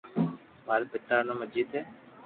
ماري پيتا رو نوم اجيت ھي